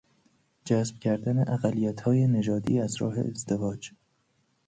جذب کردن اقلیتهای نژادی از راه ازدواج